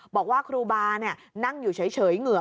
บอกว่าครูบานั่งอยู่เฉยเหงื่อ